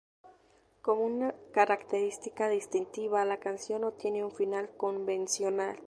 Como una característica distintiva, la canción no tiene un final convencional.